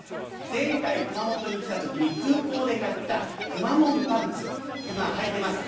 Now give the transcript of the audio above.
前回、熊本に来たときに空港で買ったくまモンパンツ、今、はいてます。